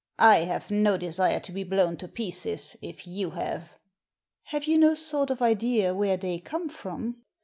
I have no desire to be blown to pieces, if you have." Have you no sort of idea where they come from?"